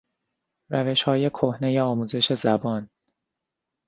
روشهای کهنهی آموزش زبان